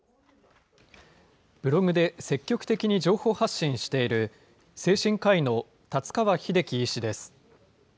ブログで積極的に情報発信している、精神科医の立川秀樹医師です。